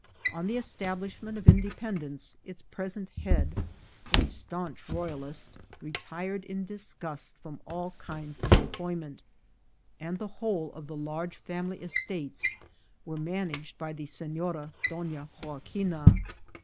On the establishment of independence, its present head, a stanch Royalist, retired in disgust from all kinds of employment, and the whole of the large family estates were managed by the Senora Donna Joaquina.